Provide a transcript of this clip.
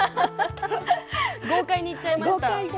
豪快にいっちゃいました。